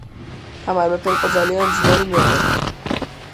თამარ მეფე იყო ძალიან ძლიერი მეფე.